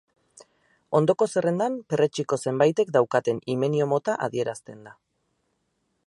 Ondoko zerrendan perretxiko zenbaitek daukaten himenio-mota adierazten da.